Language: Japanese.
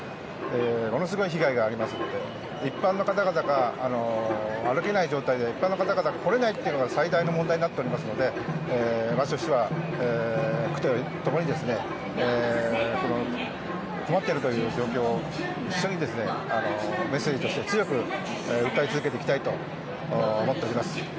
ものすごい被害がありますので一般の方々が歩けない状態で一般の方が来れないというのが最大の問題になっておりますので区とともに困っているという状況を一緒にメッセージとして強く訴え続けていきたいと思っております。